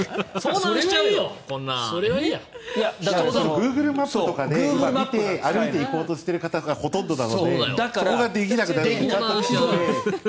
グーグルマップとかで見て歩いていこうとしている方がほとんどなのでそこができなくなるので。